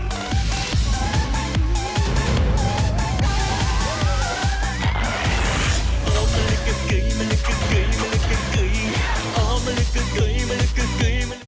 สวัสดีครับทุกคน